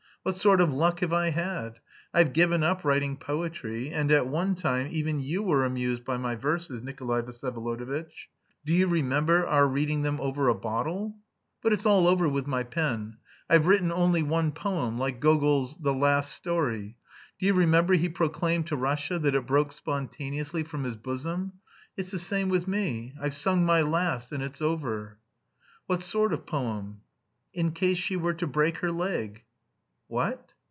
"What sort of luck have I had? I've given up writing poetry, and at one time even you were amused by my verses, Nikolay Vsyevolodovitch. Do you remember our reading them over a bottle? But it's all over with my pen. I've written only one poem, like Gogol's 'The Last Story.' Do you remember he proclaimed to Russia that it broke spontaneously from his bosom? It's the same with me; I've sung my last and it's over." "What sort of poem?" "'In case she were to break her leg.'" "Wha a t?"